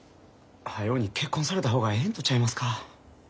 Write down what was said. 早うに結婚された方がええんとちゃいますか？